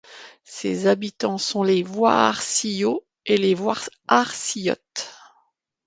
Ses habitants sont les Vouarciots et les Vouarciotes.